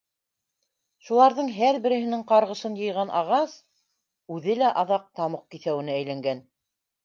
Шуларҙың һәр береһенең ҡарғышын йыйған ағас үҙе лә аҙаҡ тамуҡ киҫәүенә әйләнгән.